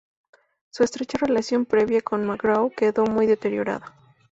Su estrecha relación previa con McGraw, quedó muy deteriorada.